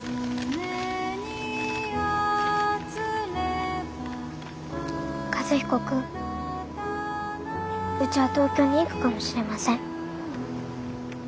「和彦君うちは東京に行くかもしれません」。